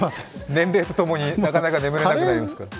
年齢とともに、なかなか眠れなくなりますから。